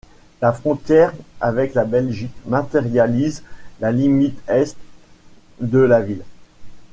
La frontière avec la Belgique matérialise la limite Est de la ville.